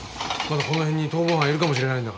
まだこの辺に逃亡犯いるかもしれないんだから。